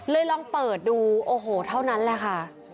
ลองเปิดดูโอ้โหเท่านั้นแหละค่ะ